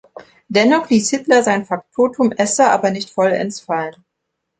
Dennoch ließ Hitler sein „Faktotum“ Esser aber nicht vollends fallen.